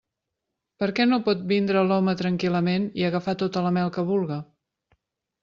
Per què no pot vindre l'home tranquil·lament i agafar tota la mel que vulga?